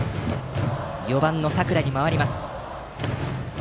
４番の佐倉に回ります。